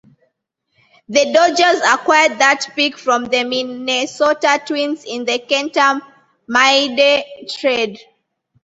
The Dodgers acquired that pick from the Minnesota Twins in the Kenta Maeda trade.